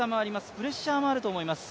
プレッシャーもあると思います